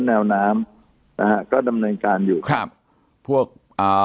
แนวน้ำนะฮะก็ดำเนินการอยู่ครับพวกอ่า